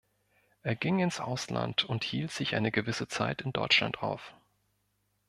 Er ging ins Ausland und hielt sich eine gewisse Zeit in Deutschland auf.